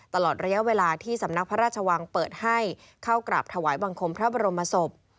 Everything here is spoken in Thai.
ตลอดระยะเวลาที่สำนักพระราชวังเปิดให้เข้ากราบถวายบังคมพระบรมศพ